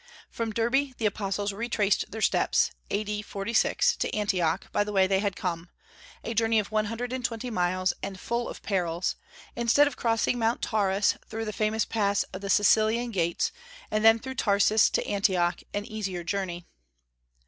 From Derbe the apostles retraced their steps, A.D. 46, to Antioch, by the way they had come, a journey of one hundred and twenty miles, and full of perils, instead of crossing Mount Taurus through the famous pass of the Cilician Gates, and then through Tarsus to Antioch, an easier journey.